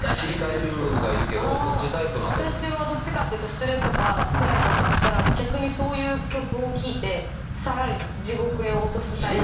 私はどっちかというと失恋とかつらい事あったら逆にそういう曲を聴いて更に地獄へ落とすタイプ。